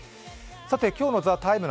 今日の「ＴＨＥＴＩＭＥ，」